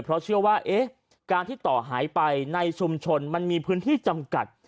เพราะเชื่อว่าการที่ต่อหายไปในชุมชนมันมีพื้นที่จำกัด